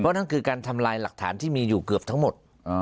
นั่นคือการทำลายหลักฐานที่มีอยู่เกือบทั้งหมด